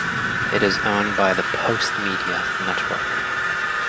It is owned by the Postmedia Network.